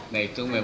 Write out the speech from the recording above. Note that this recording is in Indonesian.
nah itu memang